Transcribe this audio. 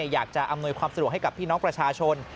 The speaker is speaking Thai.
อำนวยความสะดวกให้กับพี่น้องประชาชน